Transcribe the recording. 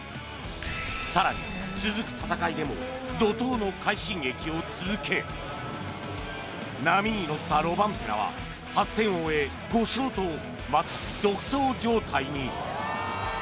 更に、続く戦いでも怒とうの快進撃を続け波に乗ったロバンペラは８戦を終え５勝とまさに独走状態に。